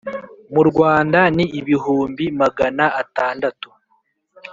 mu Rwanda ni ibihumbi magana atandatu